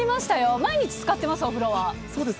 毎日浸かってます、お風呂は。